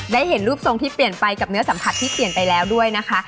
เห็นรูปทรงที่เปลี่ยนไปกับเนื้อสัมผัสที่เปลี่ยนไปแล้วด้วยนะคะ